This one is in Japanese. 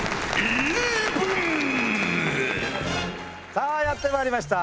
さあやって参りました。